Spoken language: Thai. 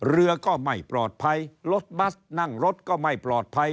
เรือก็ไม่ปลอดภัยรถบัสนั่งรถก็ไม่ปลอดภัย